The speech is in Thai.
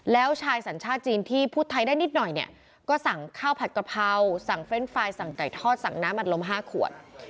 แล้วชายสัญชาติจีนที่พูดไทยได้นิดหน่อยเนี่ยก็สั่งข้าวผัดกะเพราสั่งเรนด์ไฟล์สั่งไก่ทอดสั่งน้ำอัดลม๕ขวด